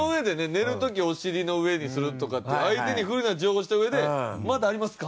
寝る時お尻の上にするとかっていう相手に不利な情報をした上で「まだありますか？」。